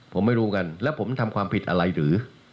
ผมไม่รู้กันแล้วผมทำความผิดอะไรหรือ